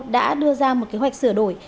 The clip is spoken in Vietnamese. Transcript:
đã đưa ra một kế hoạch sửa đổi